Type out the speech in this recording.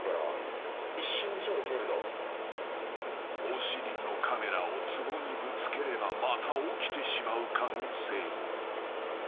［お尻のカメラをつぼにぶつければまた起きてしまう可能性も］